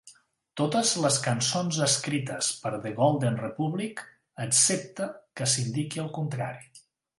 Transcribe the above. Totes les cançons escrites per The Golden Republic, excepte que s'indiqui el contrari.